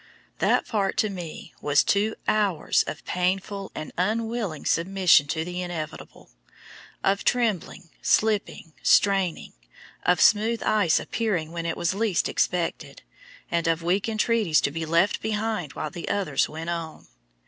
That part to me was two hours of painful and unwilling submission to the inevitable; of trembling, slipping, straining, of smooth ice appearing when it was least expected, and of weak entreaties to be left behind while the others went on.